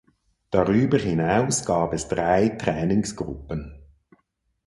Darüber hinaus gab es drei Trainingsgruppen.